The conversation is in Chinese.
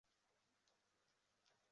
请从司徒以班徙次。